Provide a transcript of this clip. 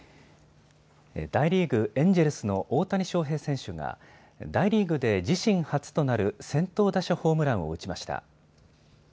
大リーグ、エンジェルスの大谷翔平選手が大リーグで自身初となる先頭打者ホームランを打ちました。